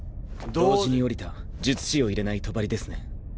同時に下りた術師を入れない帳ですね。